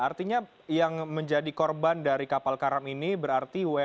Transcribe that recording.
artinya yang menjadi korban dari kapal karam ini berarti wni